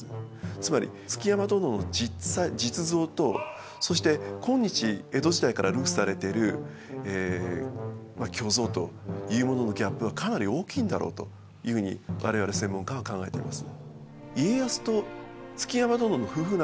つまり築山殿の実像とそして今日江戸時代から流布されてるまあ虚像というもののギャップはかなり大きいんだろうというふうに我々専門家は考えています。